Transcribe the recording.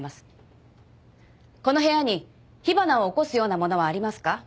この部屋に火花を起こすようなものはありますか？